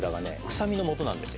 臭みのもとなんですよ。